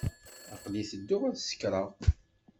Aql-i tedduɣ ad sekṛeɣ.